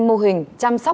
mô hình chăm sóc f